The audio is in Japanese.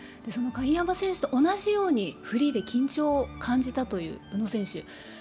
その鍵山選手と同じように、フリーで緊張を感じたという宇野選手。